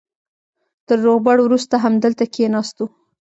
تر روغبړ وروسته همدلته کېناستو.